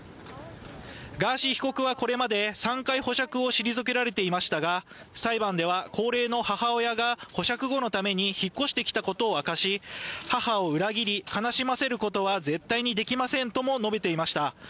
ガーシー被告はこれまで３回保釈を退けられていましたが裁判では高齢の母親が保釈後のために引っ越してきたことを明かし母を裏切り悲しませることは絶対にできませんとも述べていました。